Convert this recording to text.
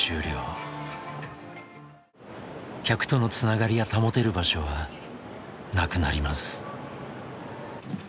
客とのつながりが保てる場所はなくなります。